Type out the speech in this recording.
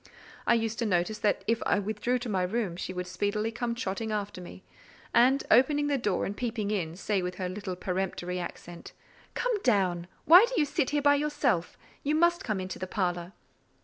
I used to notice that if I withdrew to my room, she would speedily come trotting after me, and opening the door and peeping in, say, with her little peremptory accent,—"Come down. Why do you sit here by yourself? You must come into the parlour."